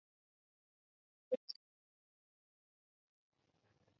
Se graduó de Lawrence High School.